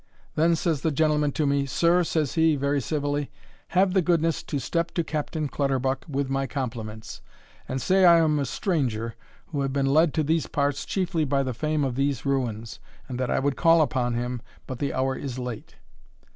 Then says the gentleman to me, 'Sir,' says he, very civilly, 'have the goodness to step to Captain Clutterbuck with my compliments, and say I am a stranger, who have been led to these parts chiefly by the fame of these Ruins, and that I would call upon him, but the hour is late.'